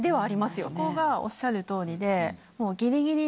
そこがおっしゃる通りで。